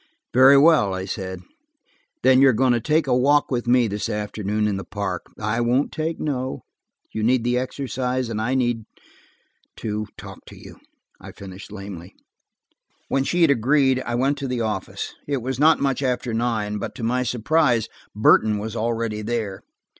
"Very well," I said. "Then you are going to take a walk with me this afternoon in the park. I won't take no; you need the exercise, and I need–to talk to you," I finished lamely. When she had agreed I went to the office. It was not much after nine, but, to my surprise, Burton was already there.